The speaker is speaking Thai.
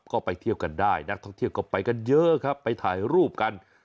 ก็ไปเที่ยวกันได้นักท่องเที่ยวก็ไปกันเยอะครับไปถ่ายรูปกัน